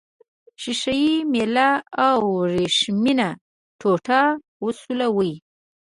ښيښه یي میله او وریښمینه ټوټه وسولوئ.